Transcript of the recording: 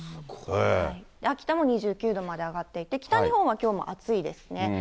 秋田も２９度まで上がっていて、北日本はきょうも暑いですね。